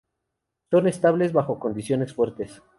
Son estables bajo condiciones fuertes.